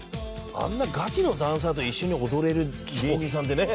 あんなガチのダンサーと一緒に踊れる芸人さんってね。